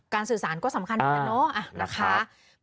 การสื่อสารก็สำคัญมากนะเนอะ